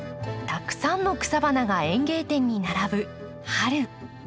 たくさんの草花が園芸店に並ぶ春。